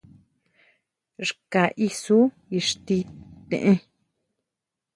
Xka isú xtí tʼen.